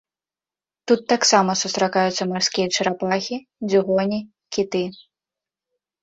Тут таксама сустракаюцца марскія чарапахі, дзюгоні, кіты.